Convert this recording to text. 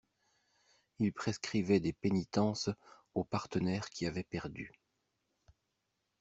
Il prescrivait des pénitences aux partenaires qui avaient perdu.